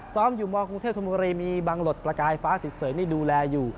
ซ้อมอยู่มคุงเทพธรรมบุรีมีบางหลดประกายฟ้าศิษย์เสริญที่ดูแลอยู่